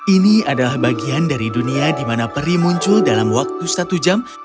ini adalah bagian dari dunia di mana peri muncul dalam waktu satu jam